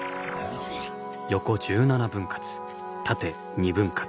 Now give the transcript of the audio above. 横１７分割縦２分割。